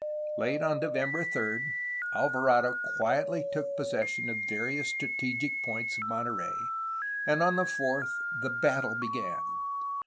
Late on November 3 Alvarado quietly took possession of various strategic points of Monterey and on the 4th the ''battle'' began.